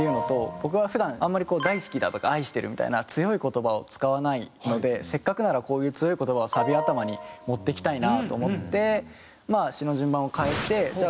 僕が普段あんまりこう「大好きだ」とか「愛してる」みたいな強い言葉を使わないのでせっかくならこういう強い言葉をサビ頭に持ってきたいなと思ってまあ詞の順番を変えてじゃあ